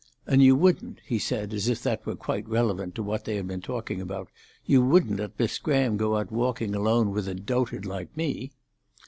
"And you wouldn't," he said, as if that were quite relevant to what they had been talking about—"you wouldn't let Miss Graham go out walking alone with a dotard like me?"